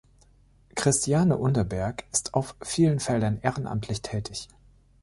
Christiane Underberg ist auf vielen Felder ehrenamtlich tätig.